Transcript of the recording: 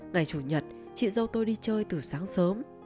ngày chủ nhật chị dâu tôi đi chơi từ sáng sớm